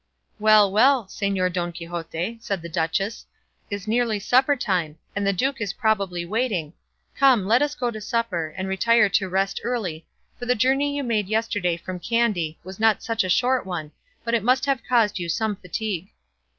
"Well, well, Señor Don Quixote," said the duchess, it is nearly supper time, and the duke is probably waiting; come let us go to supper, and retire to rest early, for the journey you made yesterday from Kandy was not such a short one but that it must have caused you some fatigue."